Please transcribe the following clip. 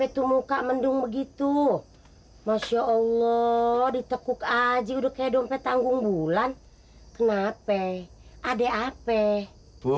kenapa tuh muka mendung begitu masya allah ditekuk aja udah kayak dompet tanggung bulan kenapa ade ap bu